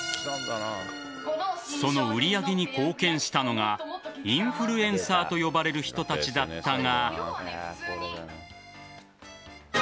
その売り上げに貢献したのがインフルエンサーと呼ばれる人たちだったが。